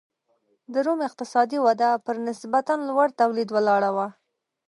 د روم اقتصادي وده پر نسبتا لوړ تولید ولاړه وه